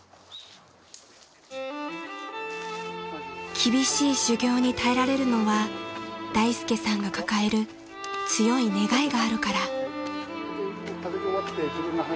［厳しい修業に耐えられるのは大介さんが抱える強い願いがあるから］